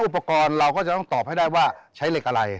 อุปกรณ์เราก็จะต้องตอบให้ได้ว่าใช้เหล็กอะไร